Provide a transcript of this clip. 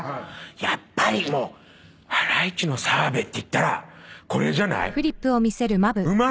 やっぱりもうハライチの澤部っていったらこれじゃない？